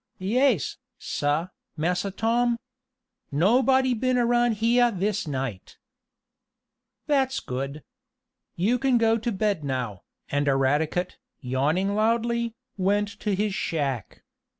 "Yais, sah, Massa Tom. Nobody been around yeah this night." "That's good. You can go to bed now," and Eradicate, yawning loudly, went to his shack.